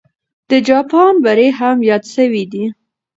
د جاپان بری هم یاد سوی دی.